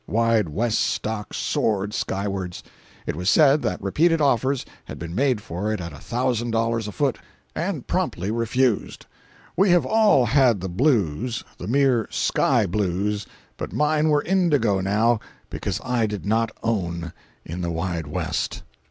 Wide West stock soared skywards. It was said that repeated offers had been made for it at a thousand dollars a foot, and promptly refused. We have all had the "blues"—the mere sky blues—but mine were indigo, now—because I did not own in the Wide West.